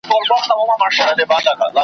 پرون مي د خزان د موسم .